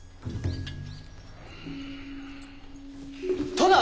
殿！